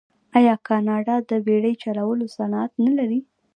آیا کاناډا د بیړۍ چلولو صنعت نلري؟